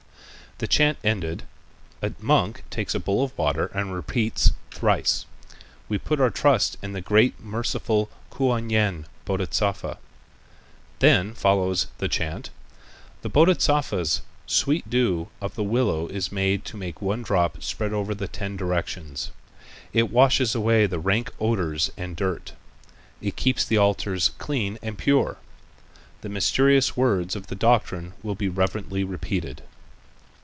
The chant ended, a monk takes a bowl of water and repeats thrice: "We put our trust in the great merciful Kuan Yin Bodhisattva." Then follows the chant: "The Bodhisattva's sweet dew of the willow is able to make one drop spread over the ten directions. It washes away the rank odors and dirt. It keeps the altars clean and pure. The mysterious words of the doctrine will be reverently repeated."